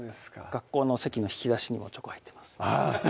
学校の席の引き出しにもチョコ入ってます